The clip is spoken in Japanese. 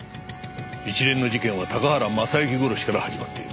一連の事件は高原雅之殺しから始まっている。